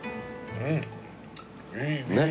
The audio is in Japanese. うん。